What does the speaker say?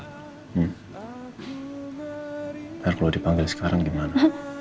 ntar kalau dipanggil sekarang gimana